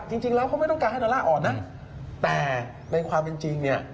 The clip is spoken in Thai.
จริงแล้วเขาไม่ต้องการให้ดอลลาร์อ่อนนะแต่ในความเป็นจริงเนี่ย